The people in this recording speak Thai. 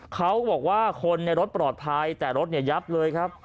เขาบอกว่าคนในรถปลอดภัยแต่รถเนี่ยยับเลยครับ